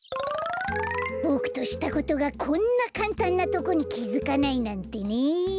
ボクとしたことがこんなかんたんなとこにきづかないなんてね！